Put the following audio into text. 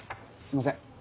すいません。